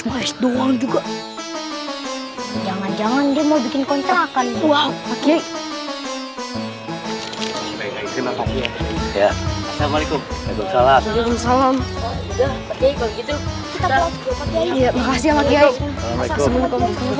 maes doang juga jangan jangan dia mau bikin kontrak kali wow oke ya assalamualaikum